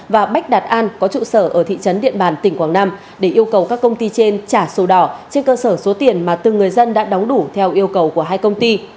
và bách đạt an có trụ sở ở thị trấn điện bàn tỉnh quảng nam để yêu cầu các công ty trên trả sổ đỏ trên cơ sở số tiền mà từng người dân đã đóng đủ theo yêu cầu của hai công ty